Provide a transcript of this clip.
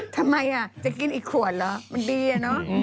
ทำไมจะกินอีกขวดเหรอมันดีอะเนอะ